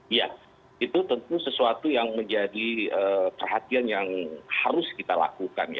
iya itu tentu sesuatu yang menjadi perhatian yang harus kita lakukan